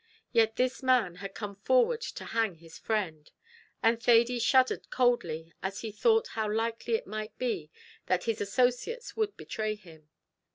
Yet this man had come forward to hang his friend! and Thady shuddered coldly as he thought how likely it might be that his associates would betray him.